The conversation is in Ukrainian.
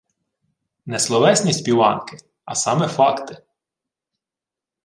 Не словесні співанки, а саме – факти